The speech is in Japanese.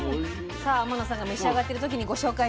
さあ天野さんが召し上がってる時にご紹介します。